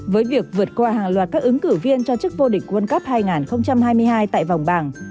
với việc vượt qua hàng loạt các ứng cử viên cho chức vô địch quân cấp hai nghìn hai mươi hai tại vòng bảng